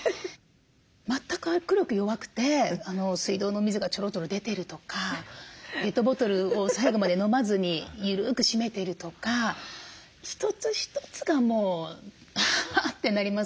全く握力弱くて水道の水がちょろちょろ出てるとかペットボトルを最後まで飲まずに緩くしめてるとか一つ一つがもうあってなりますね。